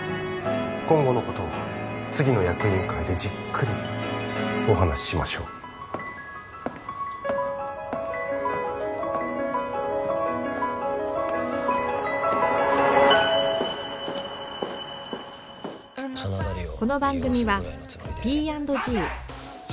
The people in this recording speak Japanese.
今後のことは次の役員会でじっくりお話ししましょうおはようございます